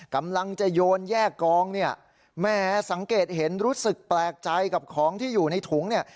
กำลังจะโยนแยกกองเนี่ยแหมสังเกตเห็นรู้สึกแปลกใจกับของที่อยู่ในถุงเนี่ย